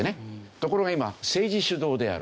ところが今政治主導である。